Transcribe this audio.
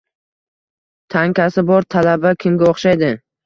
- Tankasi bor talaba kimga oʻxshaydi?